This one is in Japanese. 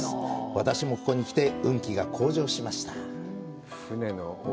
私もここに来て運気が向上しました。